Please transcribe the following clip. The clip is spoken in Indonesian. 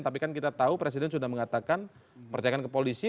tapi kan kita tahu presiden sudah mengatakan percayakan ke polisi